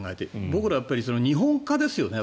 僕らは日本化ですよね。